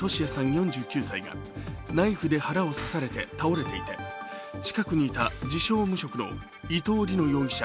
４９歳がナイフで腹を刺されて倒れていて、近くにいた自称・無職の伊藤りの容疑者